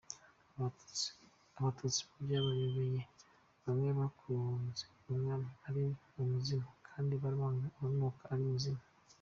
Abatutsi bo byabayobeye: Bamwe bakunze umwami ari Umuzimu kandi baramwangaga urunuka ari muzima!!